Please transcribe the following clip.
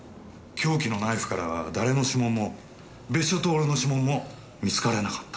凶器のナイフからは誰の指紋も別所透の指紋も見つからなかった。